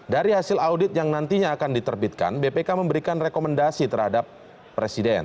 dari hasil audit yang nantinya akan diterbitkan bpk memberikan rekomendasi terhadap presiden